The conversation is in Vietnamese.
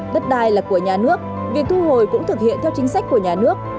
đất đai là của nhà nước việc thu hồi cũng thực hiện theo chính sách của nhà nước